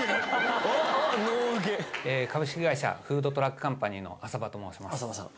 株式会社フードトラックカンパニーの浅葉と申します浅葉さん